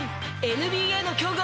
ＮＢＡの強豪